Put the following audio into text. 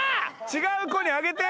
違う子にあげて。